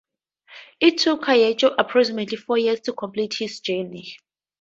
It took Hyecho approximately four years to complete his journey.